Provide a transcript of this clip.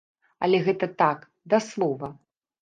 Але гэта так, да слова.